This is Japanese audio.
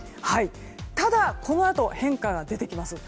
ただ、このあと変化が出てきます。